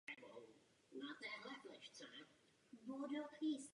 Výtrusy jsou elipsoidní až vejcovité.